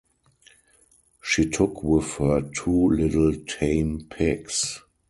She took with her two little tame pigs.